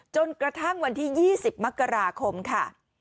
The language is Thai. จนกระทั่งวันที่๒๐มกราคมค่ะ